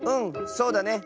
そうだね。